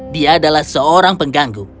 dia adalah seorang pengganggu